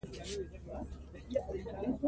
زراعت د افغانستان د ښاري پراختیا سبب کېږي.